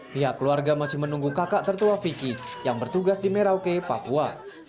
pihak keluarga masih menunggu kakak tertua vicky yang bertugas di merauke papua